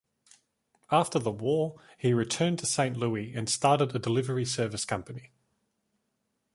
After the war, he returned to Saint Louis and started a delivery service company.